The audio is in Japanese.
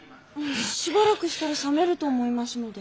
しばらくしたら冷めると思いますので。